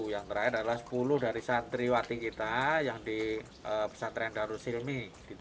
yang terakhir adalah sepuluh dari santri watik kita yang di pesantren darussilmi